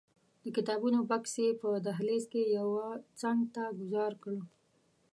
د کتابونو بکس یې په دهلیز کې یوه څنګ ته ګوزار کړ.